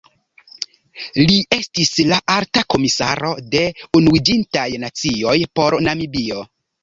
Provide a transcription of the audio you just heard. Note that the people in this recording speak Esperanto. Li estis la Alta Komisaro de Unuiĝintaj Nacioj por Namibio.